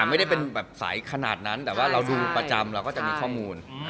ไม่ได้เป็นแบบสายขนาดนั้นแต่ว่าเราดูประจำเราก็จะมีข้อมูล